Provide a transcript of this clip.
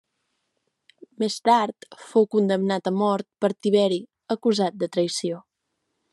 Més tard fou condemnat a mort per Tiberi acusat de traïció.